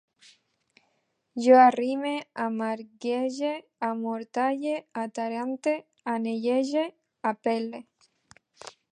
Jo arrime, amarguege, amortalle, atarante, anellege, apel·le